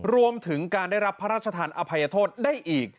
รวมถึงการได้รับพระราชทานอภัยโทษได้อีก